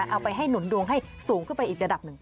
เอาไปให้หนุนดวงให้สูงขึ้นไปอีกระดับหนึ่ง